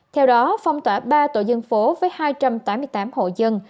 theo đó phong tỏa ba tổ dân phố với hai trăm tám mươi tám hộ dân